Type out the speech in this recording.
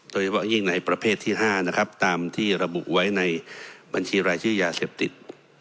โดยเฉพาะยิ่งในประเภทที่๕นะครับตามที่ระบุไว้ในบัญชีรายชื่อยาเสพติด